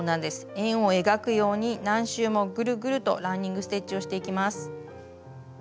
円を描くように何周もぐるぐるとランニング・ステッチをしていきます。